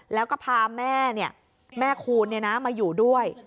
แล้วก็พาแม่แม่คูณมาอยู่ด้วย